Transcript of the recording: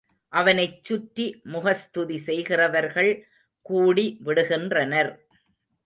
அவனைச் சுற்றி முகஸ்துதி செய்கிறவர்கள் கூடி விடுகின்றனர்.